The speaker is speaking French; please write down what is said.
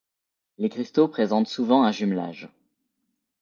Les cristaux présentent souvent un jumelage.